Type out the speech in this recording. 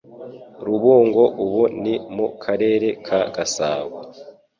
Rubungo ubu ni mu Karere ka Gasabo